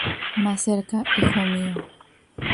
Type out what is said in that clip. Más cerca, hijo mío.